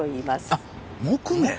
あっ木毛。